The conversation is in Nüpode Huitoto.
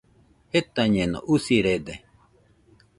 Jetañeno, usirede